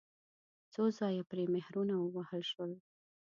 څو ځایه پرې مهرونه ووهل شول.